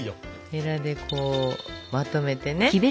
へらでこうまとめてね。